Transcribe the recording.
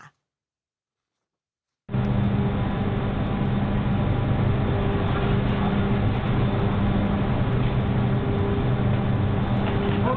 เร็วเร็วเร็ว